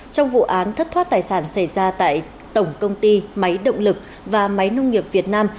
trong vụ án thất thoát tài sản xảy ra tại tổng công ty máy động lực và máy nông nghiệp việt nam